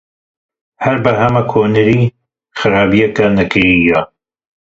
Her berhemeke hunerî, xerabiyeke nekirî ye.